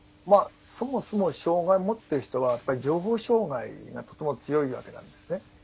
そもそも障害をもっている人はやっぱり情報障害がとても強いわけなんですね。